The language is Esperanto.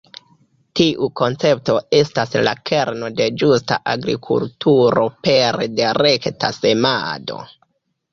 Tiu koncepto estas la kerno de ĝusta agrikulturo pere de rekta semado.